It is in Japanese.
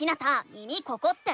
「耳ここ⁉」って。